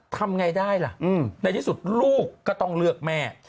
ทำไงได้ล่ะในที่สุดลูกก็ต้องเลือกแม่